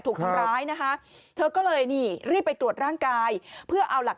ถูกทำร้ายนะคะเธอก็เลยนี่รีบไปตรวจร่างกายเพื่อเอาหลักฐาน